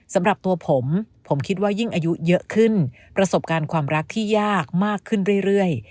สำหรับตัวผมผมคิดว่ายิ่งอายุเยอะขึ้นประสบการณ์ความรักที่ยากมากขึ้นเรื่อย